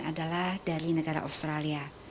adalah dari negara australia